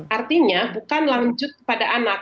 artinya bukan lanjut kepada anak